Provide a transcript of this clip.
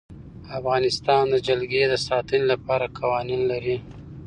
افغانستان د جلګه د ساتنې لپاره قوانین لري.